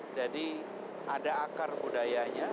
jadi ada akar budayanya